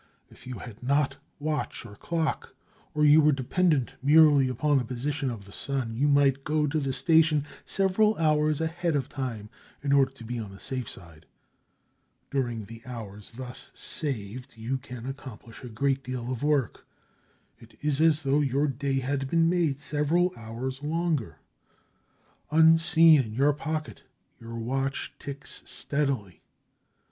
If you had not watch or clock, or you were dependent merely upon the position of the sun, you might go to the station several hours ahead of time in order to be "on the safe side." During the hours thus saved you can accomplish a great deal of work. It is as though your day had been made several hours longer. Unseen in your pocket, your watch ticks steadily.